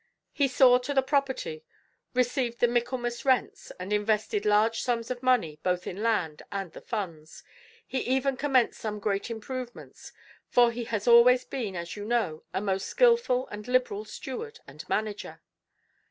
He saw to the property, received the Michaelmas rents, and invested large sums of money both in land and the funds; he even commenced some great improvements, for he has always been, as you know, a most skilful and liberal steward and manager."